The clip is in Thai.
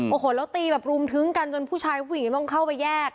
โอ้โหแล้วตีแบบรุมทึ้งกันจนผู้ชายผู้หญิงต้องเข้าไปแยก